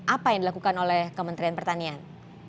apa yang dilakukan oleh kementerian pertanian